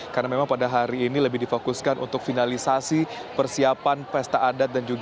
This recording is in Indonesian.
karena memang pada hari ini lebih difokuskan untuk finalisasi persiapan pesta adat